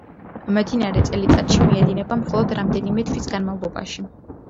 მდინარე წელიწადში მიედინება მხოლოდ რამდენიმე თვის განმავლობაში.